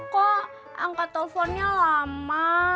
kok angkat telponnya lama